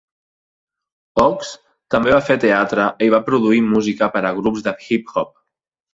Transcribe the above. Ox també va fer teatre i va produir música per a grups de hip-hop.